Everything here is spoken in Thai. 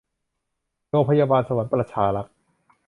โรงพยาบาลสวรรค์ประชารักษ์